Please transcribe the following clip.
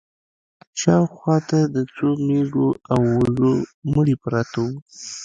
شا و خوا ته د څو مېږو او وزو مړي پراته وو.